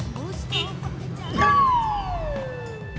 mustafa jadi gak kekuat